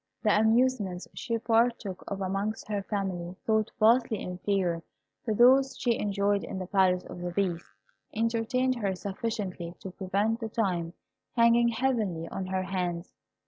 The amusements she partook of amongst her family, though vastly inferior to those she enjoyed in the Palace of the Beast, entertained her sufficiently to prevent the time hanging heavily on her hands.